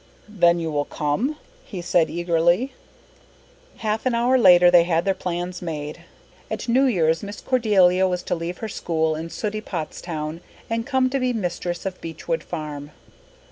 "Then you will come?" he said eagerly. Half an hour later they had their plans made. At New Year's Miss Cordelia was to leave her school and sooty Pottstown and come to be mistress of Beechwood Farm.